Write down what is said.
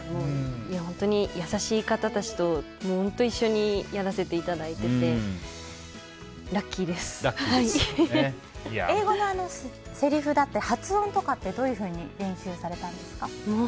本当に優しい方たちと一緒にやらせていただいてて英語のせりふだって発音とかどういうふうに練習されたんですか？